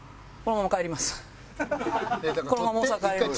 このまま大阪帰ります。